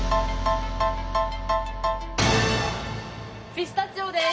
ピスタチオです。